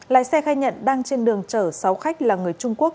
lái xe khai nhận đang trên đường chở sáu khách là người trung quốc